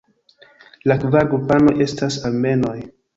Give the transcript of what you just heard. La kvar grupanoj estas Armenoj.